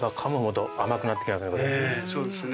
そうですね。